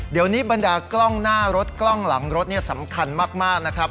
เดี๋ยวนี้บรรดากล้องหน้ารถกล้องหลังรถเนี่ยสำคัญมากนะครับ